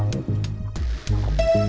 terima kasih pak chandra